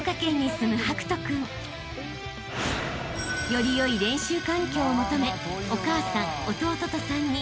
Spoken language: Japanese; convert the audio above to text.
［より良い練習環境を求めお母さん弟と３人